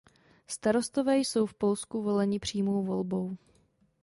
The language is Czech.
Starostové jsou v Polsku voleni přímou volbou.